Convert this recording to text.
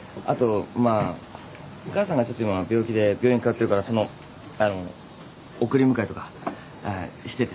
あとまあ母さんがちょっと今病気で病院通ってるからそのあの送り迎えとかしててさ。